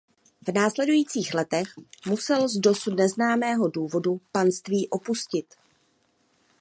V následujících letech musel z dosud neznámého důvodu panství opustit.